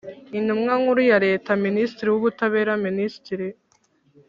Intumwa Nkuru ya Leta Minisitiri w Ubutabera Minisitiri